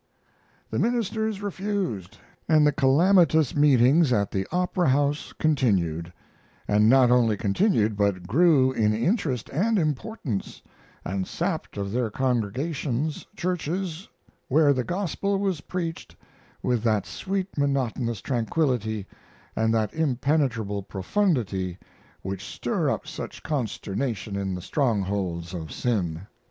The ministers refused, and the calamitous meetings at the Opera House continued; and not only continued, but grew in interest and importance, and sapped of their congregations churches where the Gospel was preached with that sweet monotonous tranquillity and that impenetrable profundity which stir up such consternation in the strongholds of sin.